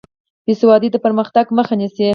بې سوادي د پرمختګ مخه نیسي.